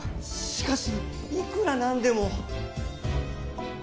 しかしいくら何でも。